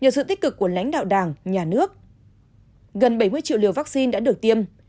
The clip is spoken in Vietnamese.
nhờ sự tích cực của lãnh đạo đảng nhà nước gần bảy mươi triệu liều vaccine đã được tiêm